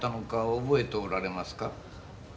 覚えておられますか？